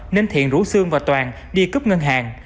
nên thiện rủ sương và toàn đi cướp ngân hàng